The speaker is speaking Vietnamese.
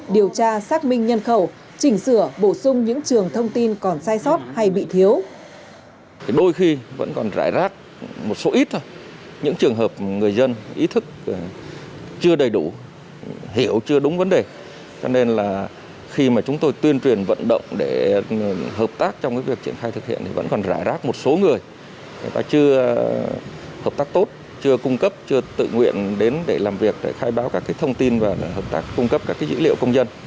điều tra xác minh nhân khẩu chỉnh sửa bổ sung những trường thông tin còn sai sót hay bị thiếu